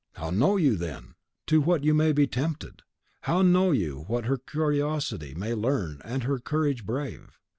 How know you, then, to what you may be tempted; how know you what her curiosity may learn and her courage brave?